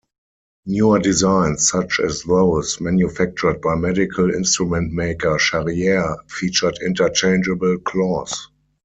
Newer designs, such as those manufactured by medical instrument maker Charriere featured interchangeable claws.